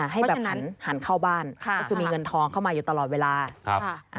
ให้แบบหันเข้าบ้านคือมีเงินทองเข้ามาอยู่ตลอดเวลาค่ะว่าฉะนั้น